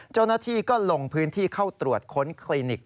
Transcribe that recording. เจ้าหน้าที่ก็ลงพื้นที่เข้าตรวจค้นคลินิก